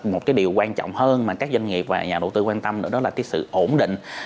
một cái điều quan trọng hơn mà các doanh nghiệp và nhà đầu tư quan tâm đó là cái sự ổn định